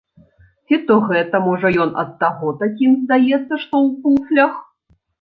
Ці то гэта, можа, ён ад таго такім здаецца, што ў куфлях?!.